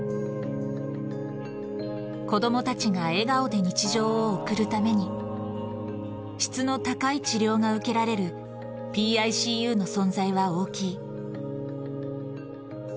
子どもたちが笑顔で日常を送るために、質の高い治療が受けられるＰＩＣＵの存在は大きい。